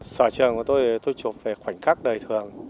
sở trường của tôi thì tôi chụp về khoảnh khắc đời thường